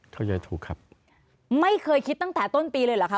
เข้าใจถูกครับไม่เคยคิดตั้งแต่ต้นปีเลยเหรอคะ